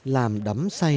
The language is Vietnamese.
làm đắm say